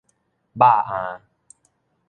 肉餡